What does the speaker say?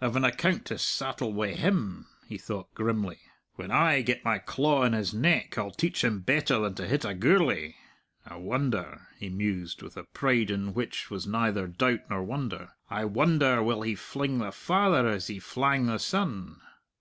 "I've an account to sattle wi' him!" he thought grimly. "When I get my claw on his neck, I'll teach him better than to hit a Gourlay! I wonder," he mused, with a pride in which was neither doubt nor wonder "I wonder will he fling the father as he flang the son!"